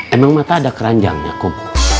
emang mata ada keranjangnya kum